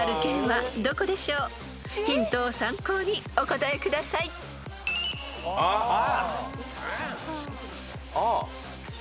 ［ヒントを参考にお答えください］ああ！